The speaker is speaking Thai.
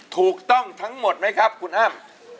ถูกต้องทั้งหมดไหมครับคุณอ้ำ